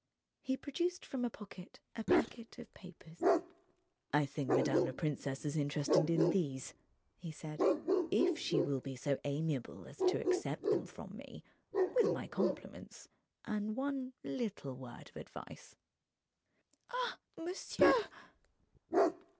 He produced from a pocket a packet of papers. "I think madame la princesse is interested in these," he said. "If she will be so amiable as to accept them from me, with my compliments and one little word of advice...." "Ah, monsieur!"